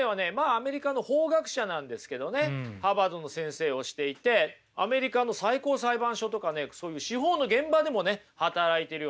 アメリカの法学者なんですけどねハーバードの先生をしていてアメリカの最高裁判所とかねそういう司法の現場でもね働いてるような人なんですよ。